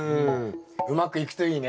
うまくいくといいね。